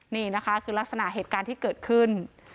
นี่นะคะคือลักษณะเหตุการณ์ที่เกิดขึ้น